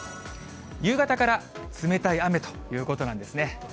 夕方から冷たい雨ということなんですね。